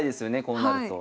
こうなると。